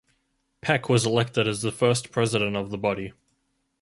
Peck was elected as the first president of the body.